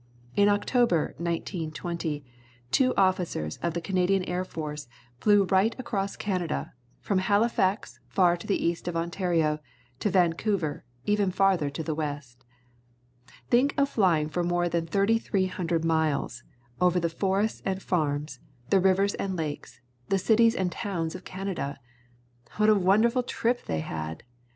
In October, 1920, two officers of the Canadian Air Force flew right across Canada, from Halifax, far to the east of Ontario, to Vancouver, even farther to the west. Tliink of flying for more than 3,300 miles over the forests and farms, the rivers and lakes, the cities and towns of Canada! What a wonderful trip they had!